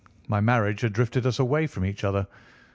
My marriage had drifted us away from each other.